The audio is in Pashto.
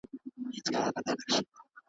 خدای خبر چي بیا پیدا کړې داسی نر بچی ښاغلی .